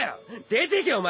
出てけお前！